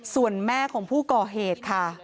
ส่วนแม่ของผู้ก่อเหตุค่ะ